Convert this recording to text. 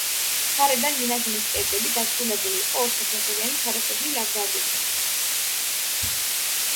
გარედან მინაშენის კედლები დასრულებული იყო ორსაფეხურიანი, თაროსებრი ლავგარდნით.